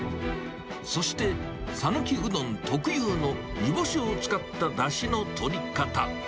そして、さぬきうどん特有の煮干しを使っただしのとり方。